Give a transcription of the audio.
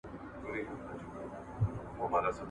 سمسورتیا د خوشحالۍ لامل کېږي.